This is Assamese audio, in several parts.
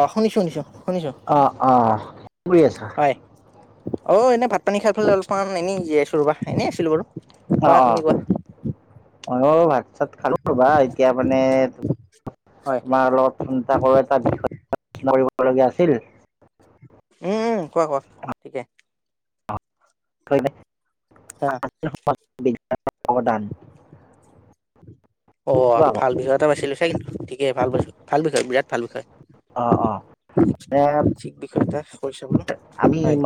অ' শুনিছো শুনিছো, শুনিছো অ অ কি কৰি আছা? হয়। অ' এনে ভাত - পানী খাইফালে অলপমান এনেই জিৰাই আছো ৰ'বা এনেই আছিলো বাৰু। কোৱা অ' তুমি অ', কোৱা অ' মইয়ো ভাত চাত খালো বা এতিয়া মানে হয় তোমাৰ অলপ ফোন এটা কৰোঁ এটা বিষয় আলোচনা কৰিবলগীয়া আছিল। উম, উম, কোৱা কোৱা ঠিকে। [unintelligible] হা। [unintelligible] অৱদান। অ' ভাল বিষয় এটা বাছি লৈছা কিন্তু ঠিকে ভাল পাইছো, ভাল বিষয় বিৰাট ভাল বিষয়। অ এ ঠিক বিষয় এটা কৈছা বোলো, আমি হয়।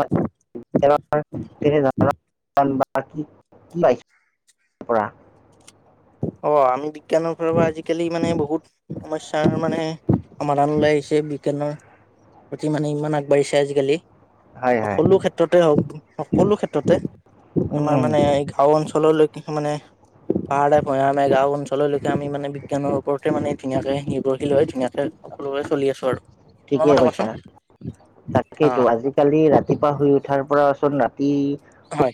[unintelligible] পৰা। অ' আমি বিজ্ঞানৰ ফালৰ পৰা আজিকালি মানে বহুত সমস্যাৰ মানে সমাধান লৈ আহিছে বিজ্ঞানৰ প্ৰতি মানে ইমান আগ বাঢ়িছে আজিকালি। হয় হয় সকলো ক্ষেত্ৰতে হক, সকলো ক্ষেত্ৰতে আমাৰ উম মানে এই [unintelligible] অঞ্চললৈকে মানে পাহাৰে-ভৈয়ামে গাঁও অঞ্চললে আমি মানে বিজ্ঞানৰ ওপৰতে মান ধুনীয়াকৈ নিৰ্ৰভশীল হৈ হয় ধুনীয়াকৈ সকলোৰে চলি আছো আৰু, তোমাৰ মতে কোৱাচোন! অ তাকেইটো, আজিকালি ৰাতিপুৱা শুই উঠাৰ পৰাচোন ৰাতি হয়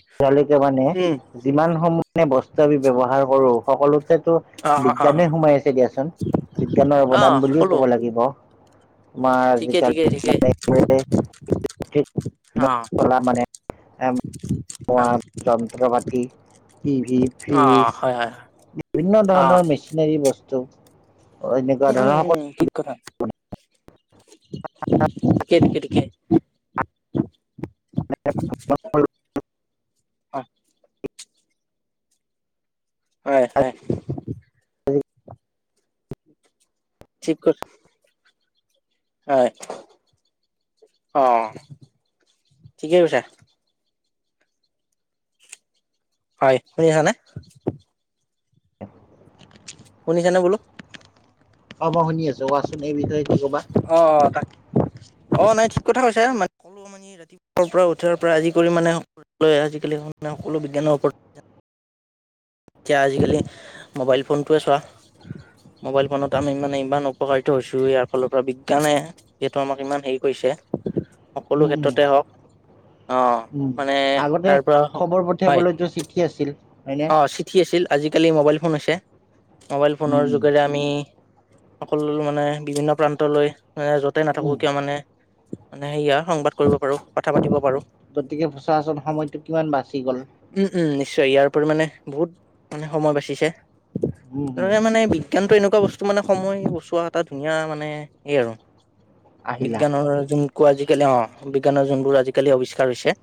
উম যিমান সময়ে বস্তু আমি ব্যৱহাৰ কৰো, সকলোতেতো অ অ অ বিজ্ঞানে সোমাই আছে দিয়াচোন, বিজ্ঞানৰ অ অৱদান বুলিয়েই কলো ক'ব লাগিব। তোমাৰ ঠিকে, ঠিকে, আজিকালি ঠিকে। [unintelligible] অ। হয় [unintelligible] যন্ত্ৰ-পাতি, টিভি, অ ফ্ৰিজ হয় হয় বিভিন্ন অ ধৰণৰ মেচিনেৰি বস্তু এনেকুৱা উম, ধৰণৰ উম, উম, সকলো ঠিক কথা। [unintelligible] [unintelligible] অ হয়, হয়। [unintelligible] হয়, অ, ঠিকে কৈছা। হয়, শুনিছা নে! শুনিছা নে বোলো! অ, মই শুনি আছো। কোৱাচোন, এই বিষয়ে কি ক'বা? অ, তাক, অ, নাই, ঠিক কথা কৈছা [unintelligible] এই ৰাতিপুৱাৰ পৰা উঠাৰ পৰা আদি কৰি মানে সকলো আজিকালি বিজ্ঞানৰ ওপৰত। এতিয়া আজিকালি মোবাইল ফোনটোৱে চোৱা মোবাইল ফোনত আমি মানে ইমান উপকাৰিত হৈছো, ইয়াৰ ফালৰ পৰা বিজ্ঞানে যিহেতু আমাক ইমান হেৰি কৰিছে, উম সকলো উম ক্ষেত্ৰতে হওক। অহ। উম মানে আগতে তাৰ পৰা, খবৰ হয়! [unintelligible] চিঠি আছিল। হয়নে অ চিঠি আছিল, আজিকালি মোবালই ফোন হৈছে, মোবাইল উম ফোনৰ উম যোগেৰে আমি অকল মানে বিভিন্ন প্ৰান্তলৈ, মানে য'তে উম নাথাকো কিয় মানে মানে [unintelligible] আৰু সংবাদ কৰিব পাৰো, কথা পাতিব পাৰো। গতিকে চা চোন সময়টো কিমান বাচি গ'ল। উম, উম, নিশ্চয়। ইয়াৰ পৰিমানে বহুত মানে সময় বাচিছে, উম হম এ মানে বিজ্ঞানটো এনেকুৱা বস্তু মানে সময় বচোৱা এটা ধুনীয়া মানে হেৰি আৰু। আহিলা বিজ্ঞানৰ যোনটো আজিকালি, অ বি, জ্ঞানৰ যোনবোৰ আজিকালি আৱিষ্কাৰ হৈছে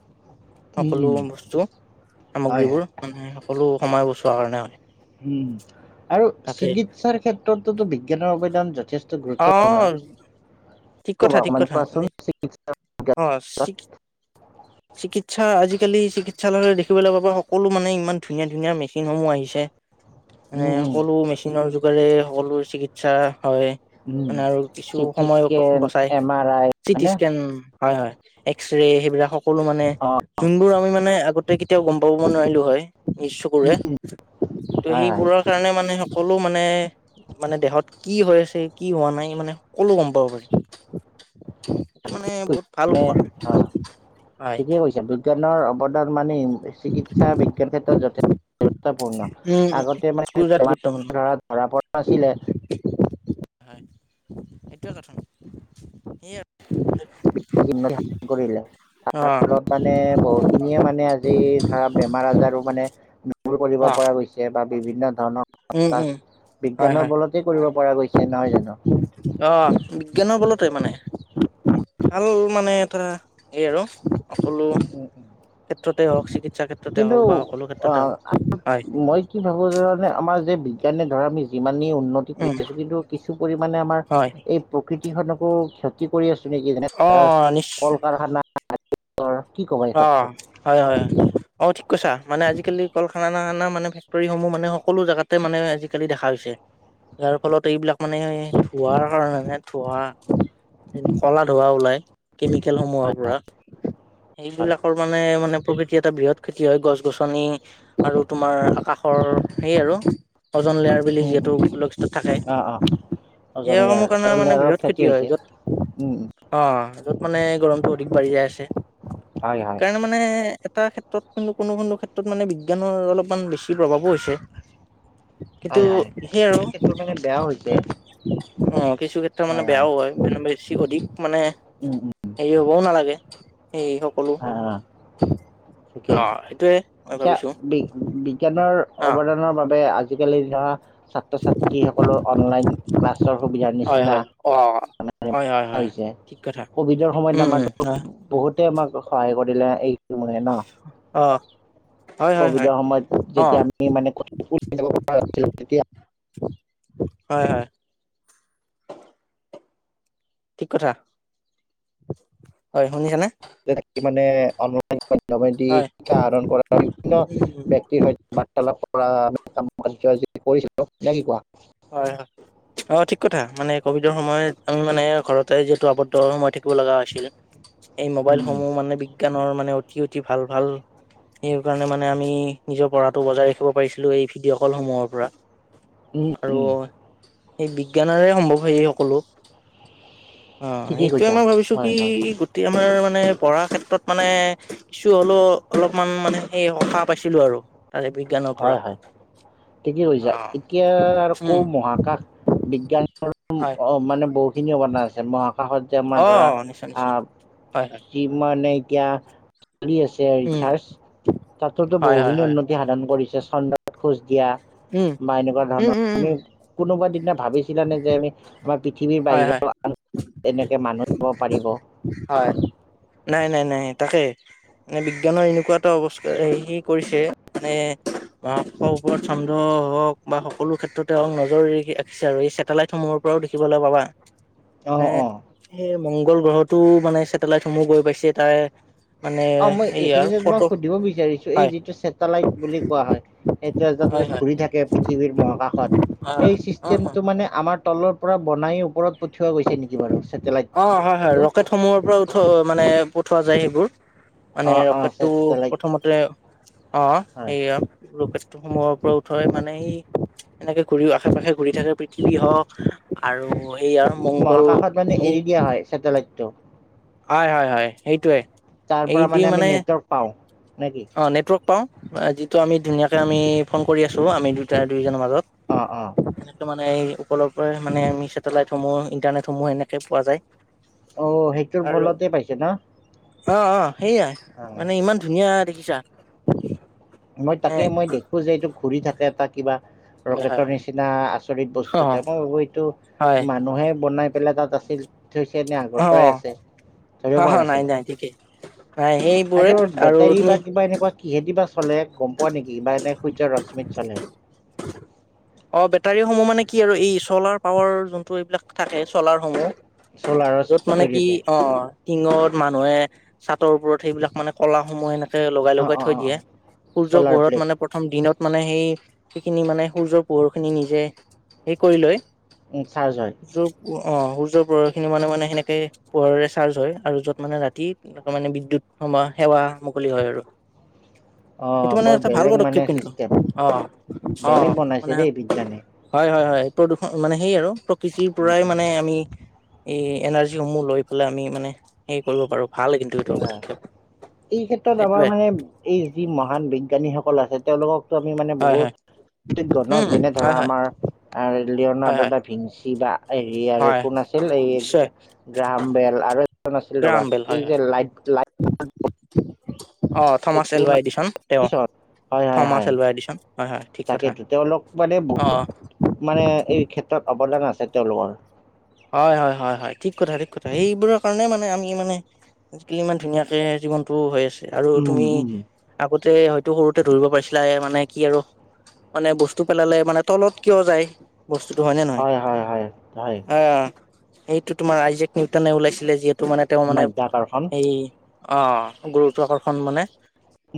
উম সকলো উম বস্তু, হয় হয় সামগ্ৰীবোৰ, মানে সকলো সময় বচোৱা কাৰণ হয়। উম। আৰু তাকে চিকিৎসাৰ ক্ষেত্ৰততো বিজ্ঞানৰ অৱদান যথেষ্ট অ গুৰুত্বপূৰ্ণ। কি ঠিক কথা ক'বা, ঠিক অকমান কথা কোৱাচোন, মানে চিকিৎসা [unintelligible] অ, চিকিৎ-চিকিৎসা আজিকালি চিকিৎ সালয় দেখিবলৈ পাবা, সকলো মানে ইমান ধুনীয়া-ধুনীয়া মেচিনসমূহ আহিছে। উম উম সকলো মেচিনৰ যোগৰে সকলো চিকিৎসা হয়। উম মানে আৰু কিছু চিটি সময় স্কেন বচাই, এম আৰ আই চিটি হয়নে স্কেন হয়, হয়, এক্সৰে সেইবিলাক সকলো, মানে অ যোনবোৰ আমি মানে [unintelligible] কেতিয়াও গম পাব নোৱাৰিলো হয়, নিজ চকুৰে। ত হয় হয় সেইবোৰৰ কাৰণে মানে সকলো মানে মানে দেহত কি হৈ আছে কি হোৱা নাই মানে সকলো গম পাব পাৰি। এইটো মানে বহুত ভাল মানে কৰে অ হয়। ঠিকেই কৈছে বিজ্ঞানৰ অৱদান মানে চিকিৎসা বিজ্ঞান ক্ষেত্ৰত যথেষ্ট গুৰুত্বপূৰ্ণ আগতে মানে বিৰাট বেমাৰ গুৰুত্বপূৰ্ণ ধৰা, ধৰা পৰা নাছিলে। হয় সেইটোৱে কথা, সেয়াই। [unintelligible] অ তাৰ ফলত মানে বহুত খিনিয়ে মানে আজি ধৰা বেমাৰ আজাৰৰ মানে দূৰ কৰিব অ পৰা গৈছে বা বিভিন্ন ধৰণৰ উম [unintelligible] উম হয় বিজ্ঞানৰ হয় বলতেই কৰিব পৰা গৈছে নহয় জানো? আহ বিজ্ঞানৰ বলতে মানে ভাল মানে ধৰা হেই আৰু সকলো উম উম ক্ষেত্ৰতে হওক চিকিৎসা ক্ষেত্ৰতে হওক বা সকলো ক্ষেত্ৰতে অ' হওক হয়। মই কি ভাবো জানানে আমাৰ যে বিজ্ঞানে ধৰা আমি যিমানেই উন্নতি হয় কৰি উম আছো কিন্তু কিছু পৰিমণে আমাৰ হয় এই প্ৰকৃতিখনক ক্ষ তি কৰি আছো নেকি যেনে অ ধৰা নিশ্চয় কল কাৰখানা আদি ধৰ অ। হয় হয় অ ঠিক কৈছা। মানে আজিকালি কল খৰকানা মানে ফেক্টৰীসমূহ মানে সকলো জাগা তে মানে আজিকালি দেখা হৈছে। যাৰ ফলত এইবিলাক মানে ধোঁৱা কাৰণে ধোঁৱা কলা ধোঁৱা ওলাই, কেমিকেল সমূহৰ পৰা। হয় সেইবিলাকৰ মানে, মানে প্ৰকৃতি এটা বৃহৎ ক্ষতি হয় গছ গছনি আৰু তোমাৰ আকাশৰ সেই আৰু অজন লেয়াৰ বুলি উম, যিহেতু উম, [unintelligible] থাকে অ', অ', অজন এই লেয়াৰ সমূহ কাৰণে অজন মানে লেয়াৰৰ বৃহৎ ক্ষতি হয়, হৈছে যত উম, উম, অ মানে গৰমটো অধিক বাঢ়ি যায় আছে হয়, হয়, সেইকাৰণে মানে মানে এটা ক্ষেত্ৰত কিন্তু কোনো কোনো ক্ষেত্ৰত মানে বিজ্ঞানৰ অলপমান বেছি প্ৰভাৱো হৈছে। [inaudible] সেইটো হয়, হয়, কিছু সেই আৰু কিছু ক্ষেত্ৰত মানে বেয়াও হৈছে অ কিছু ক্ষেত্ৰত মানে বেয়াও হয়। উম বেছি অধিক মানে উম হেৰি হ'বও নালাগে সে হওক অ। ঠিকেই অ সেইটোয়ে মই এতিয়া ভাবিছো বি বিজ্ঞানৰ অ অৱদানৰ বাবে আ আজিকালি ধৰা ছাত্ৰ ছাত্ৰীসকলৰ অনলাইন ক্লাছৰ সুবিধাৰ হয় নিচিনা হয় অ। [unintelligible] হয় হয় হয় হৈছে ঠিক কথা ক'ভিডৰ সময়ত উম উম আমাৰতো হয় বহুতে আমাক সহায় কৰিলে এই মানে ন। অ হয় হয় হয় কভিডৰ সময়ত অ যেতিয়া আমি কতো ওলাই যাব পৰা নাছিলো তেতিয়া। হয় হয়। ঠিক কথা, হয় শুনিছা নে? যেনেকে মানে অনলাইন [unintelligible] হয় বিভিন্ন উম ব্যক্তিৰ সৈতে বাৰ্তালাপ কৰা কাম কৰিছিলো না কি কোৱা? হয় হয়। অ ঠিক মানে কভিডৰ সময়ত আমি মানে ঘৰতে যিহেতু আবদ্ধ সময় থাকিব লগা হৈছিল। এই উম, মোবাইলসমূহ মানে বিজ্ঞানৰ মানে অতি অতি ভাল ভাল। সেই কাৰণে মানে আমি নিজৰ পঢ়াটো বজাই ৰাখিব পাৰিছিলো এই ভিডিঅ' কলসমূহৰ পৰা। উম, উম, আৰু উম, সেই বিজ্ঞানৰে সম্ভৱ হয়, সেই সকলো। অ ঠিকেই এইটোয়ে কৈছা মই ভাবিছো কি হয় হয় গোটেই আমাৰ মানে পঢ়াৰ ক্ষেত্ৰত মানে, কিছু হলো অলপমান মানে সেই সকাহ পাইছিলো আৰু তাৰেপে, হয় হয় ঠিকে কৈছা। অ এতিয়া আকৌ উম মহাকাশ বিজ্ঞানৰ হয় মানে বহুখিনি কথা আছে মহাকাশ, কাষত যে আমাৰ অ ধৰা নিশ্চয় আ, নিশ্চয় হয় হয় যিমানে এতিয়া চলি আছে উম ৰিচাৰ্জ তাতোতো হয় হয় বহুখিনি হয় উন্নতি। সাধন কৰিছে চন্দ্ৰত খোজ দিয়া উম বা এনেকুৱা উম ধৰণৰ উম উম আমি, কোনোবা দিনা ভাবিছিলানে যে আমি আমাৰ পৃথিৱীৰ হয় হয় বাহিৰৰ, এনেকে মানুহ যাব পাৰিব। হয় নাই নাই নাই তাকেই। মানে বিজ্ঞানৰ এনেকুৱা এটা অৱস্কাৰ হেৰি কৰিছে মানে, অ ওপৰত ছন্দ হওক বা সকলো ক্ষেত্ৰতে হওঁক নজৰ ৰাখিছে আৰু এই চেটেলাইটসমূহৰ, ওপৰত দেখিবলৈ পাবা। অ মানে অ সেই মংগল গ্ৰহটো মানে ছেটেলাইট সমূহ গৈ পাইছে তাৰে, মানে অ মই এইয়াৰ এইখিনিতে ফটো তোমাক সুধিব বিচাৰিছো এই হয় যিটো ছেটেলাইট বুলি কোৱা হয়, এতিয়া হয় যাতে হয় ঘুৰি থাকে পৃথিৱীৰ মহাকাশত অ সেই অ চিষ্টেমটো মানে আমাৰ, তলৰ পৰা বনাই ওপৰত পঠিওৱা গৈছে নেকি বাৰু চছেটেলাইট টো। সমূয়ৰ পৰা উঠোৱা মানে পঠোৱা যায় সেইবোৰ। মানে অ অ ৰকেটটো ছেটেলাইট প্ৰথমতে অ হয় সেয়া লোকেচন। সময়ৰ পৰা উঠৈ মানে সি, এনেকে ঘূৰিও আশে পাশে ঘূৰি থাকে পৃথিৱী হওক আৰু সেই আৰু, মংগল মহাকাশত মানে এৰি দিয়া হয় ছেটেলাইটটো। হয় হয় হয় সেইটোৱে। তাৰ পৰা মানে আমি নেটৱৰ্ক পাওঁ নে কি? অঁ নেটৱৰ্ক পাওঁ যিটো আমি ধুনীয়াকৈ আমি ফোন কৰি আছোঁ আমি দুটা দুয়োজনৰ মাজত। অ অ। সেনেকে মানে এই ওপৰৰ পৰা মানে আমি চেটেলাইটসমূহ ইণ্টাৰনেটসমূহ সেনেকে পোৱা যায়। অ সেইটোৰ আৰু ফলতে পাইছে ন। অ অ সেইয়া অ মানে ইমান ধুনীয়া দেখিছা। মই তাকে মই দেখো যে এইটো ঘুৰি থাকে এটা কিবা মানে হয় ৰকেটৰ হয় নিচিনা আ, চৰিত বস্তু এটা হয় অ মই ভাবোঁ এইটো হয় মানুহে বনাই পেলাই তাত আছিল। থৈছে এনে আগৰ অ পৰাই আছে। ধৰিব পৰা অ নাই নাছিলো। নাই ঠিকেই নাই সেইবোৰে সেইটো আৰু বেটাৰী তুমি বা কিবা এনেকুৱা, কিহেদি বা চলে গম পোৱা নেকি বা এনে সূৰ্যৰ ৰশ্মিত চলে। [unintelligible] অ বেটাৰীসমূহ মানে কি আৰু এই চলাৰ পাৱাৰ যোনটো এইবিলাক থাকে চলাৰসমূহ। চ'লাৰৰ যত মানে কি জৰিয়তে অ, টিঙত মানুহে চাটৰ ওপৰত সেইবিলাক মানে ক'লাস সমূহ এনেকে লগাই অঁ লগাই অঁ থৈ অঁ অঁ দিয়ে। সূৰ্যৰ চ'লাৰ পোহৰত প্লেট মানে। প্ৰথম দিনত মানে সেই সেইখিনি মানে সূৰ্য্যৰ পোহৰ খিনি নিজে হে কৰি লৈ। উম ছাৰজ হয়। সূৰ অ সূৰ্য্যৰ পোহৰ খিনি মানে মানে সেনেকে পোহৰৰে চাৰ্জ হয় আৰু যত মানে ৰাতি, এনেকুৱা মানে বিদ্যুৎ সেৱা মুকলি হয় আৰু। সেইটো অঁ মানে বৰ এটা ভাল বেলেগ মানে পদক্ষেপ কিন্তু ছিষ্টেম অঁ' অঁ' বেলেগ অঁ' বনাইছে মানে- দেই বিজ্ঞানে হয় হয় হয়, প্ৰদূষণ মানে সেই আৰু প্ৰকৃতিৰ উম, পৰাই উম, মানে আমি- এই এনাৰ্জিসমূহ লৈ পেলাই আমি মানে হেৰি কৰিব পাৰোঁ। অঁ' এই ক্ষেত্ৰত আমাৰ এইটোৱে মানে- এই যি মহান বিজ্ঞানীসকল আছে তেওঁলোককতো আমি মানে হয় হয় বহুত- কৃতং গন উম যেনে হয় ধৰা হয় আমাৰ হয় হয় লিঅ'নাৰ্ডা ভিংচি বা- হেৰি আৰু হয় কোন আছিল এই নিশ্চয় গ্ৰাহাম বেল আৰু এজন আছিল গ্ৰাম ৰবা। যে লাইট [unintelligible] অঁ' লাইট থমাছৰ এল কোন এডিচন তেওঁ। আছিল হয় হয় হয় থমাছৰ এল এডিচন হয় হয়, ঠিক কথা তাকেতো তেওঁলোক মানে বহুত অ'। মানে এই ক্ষেত্ৰত অৱদান আছে তেওঁলোকৰ। হয় হয় হয় হয়, ঠিক কথা ঠিক কথা। এইবোৰৰ কাৰণে মানে আমি মানে- আজিকালি ইমান ধুনীয়াকে জীৱনতো হৈ আছে আৰু উম তুমি- উম আগতে হয়তো সৰুতে ধৰিব পাৰিছিলা এ মানে কি আৰু- মানে বস্তু পেলালে মানে তলত কিয় যায় বস্তুতটো হয় নে নহয়। হয়-হয়-হয়। অ' এইটো তোমাৰ আইজেক নিউটনে ওলাইছিলে যিহেতু মানে তেওঁ মানে মাধ্যাকৰ্ষণ এই- অ' গুৰুত্ব আকৰ্ষণ মানে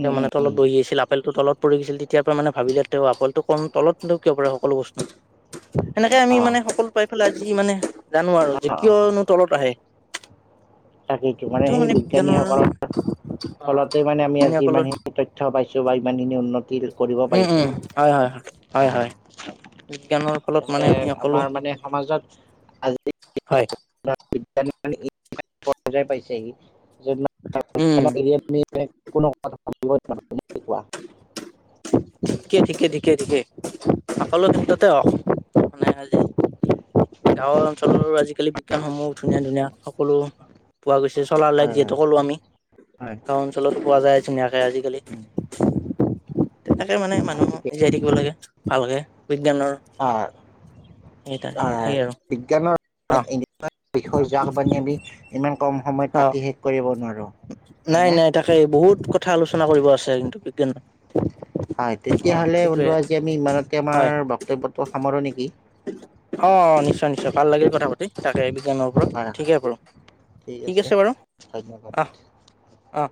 উম উম মানে উম তলত বহি আছিল- আপেলটো তলত পৰি গৈছিল। তেতিয়াৰ পৰা মানে ভাবিলে তেওঁ আপেলটো কম তলতনো কিয় পৰে সকলো বস্তু। সেনেকে আমি অ মানে সকলো পাই পেলায় আজি মানে জানোঁ আৰু যে অ অ কিয়নো তলত আহে। তাকেইতো, মানে এইটো সেই বিজ্ঞানৰ বিজ্ঞানীসকলৰ অ ফলতে মানে আমি আজি বিজ্ঞানীসকলৰ ইমানখিনি তথ্য- তথ্য পাইছোঁ বা ইমানখিনি উন্নতি- কৰিব উম' পাৰিছো উম' হয় হয় হয় হয়। বিজ্ঞানৰ ফলত তেনে মানে আমি সকলো, আমাৰ মানে সমাজত আজি হয়। [unintelligible] পাইছেহি [unintelligible] উম [unintelligible] কোনো কথা [unintelligible] কি কোৱা? ঠিকে ঠিকে ঠিকে ঠিকে, সকলো ক্ষেত্ৰতে অ' মানে আজি- গাঁওৰ অঞ্চলৰো আজিকালি বিজ্ঞানসমূহ ধুনীয়া ধুনীয়া সকলো- পোৱা গৈছে। চলাৰ হয় লাইট হয় যিহেতু ক'লো আমি। হয়। গাঁও অঞ্চলতো পোৱা যায় ধুনীয়াকৈ আজিকালি। তেনেকে মানে আহ, মানুহ ঠিকেই জীয়াই থাকিব লাগে ভালকৈ বিজ্ঞানৰ- অ' হয় সেই তাকে হয়, সেই আৰু বিজ্ঞানৰ- অ [unintelligible] আমি ইমান কম সময়ত অ কাটি শেষ কৰিব নোৱাৰোঁ। নাই হয়নে নাই তাকে, বহুত কথা আলোচনা কৰিব আছে কিন্তু বিজ্ঞানৰ। হয়। তেতিয়া হ'লে বন্ধু আজি আমি ইমানতে আমাৰ বক্তব্যটো সামৰোঁ নেকি। অঁ' নিশ্চয় নিশ্চয়। ভাল লাগিল কথা পাতি তাকেই বিজ্ঞানৰ- ওপৰত, হয় হয় ঠিকে বাৰু ঠিক আছে বাৰু। ধন্যবাদ। অঁ।